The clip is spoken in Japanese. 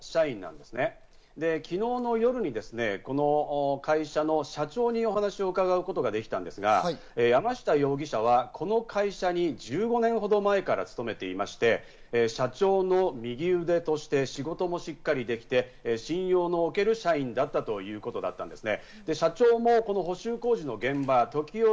で、昨日の夜にですね、この会社の社長にお話を伺うことができたんですが、山下容疑者はこの会社に１５年ほど前から勤めていまして、社長の右腕として仕事もしっかりできて、信用の置ける社員だったということなんですね。